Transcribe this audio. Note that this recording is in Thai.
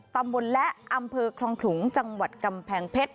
ตำบลและอำเภอคลองขลุงจังหวัดกำแพงเพชร